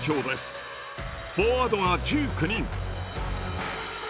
フォワードが１９人。